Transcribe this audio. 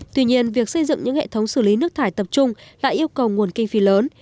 tuy nhiên việc xây dựng những hệ thống xử lý nước thải tập trung lại yêu cầu nguồn kinh phí lớn